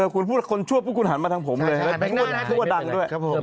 คุณพูดว่าคนชั่วคุณหันมาทั้งผมเลย